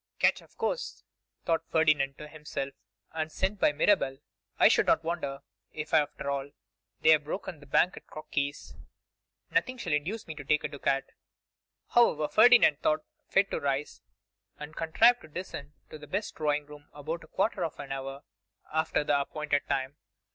'Catch, of course,' thought Ferdinand to himself. 'And sent by Mirabel. I should not wonder, if after all, they have broken the bank at Crocky's. Nothing shall induce me to take a ducat.' However, Ferdinand thought fit to rise, and contrived to descend to the best drawing room about a quarter of an hour after the appointed time.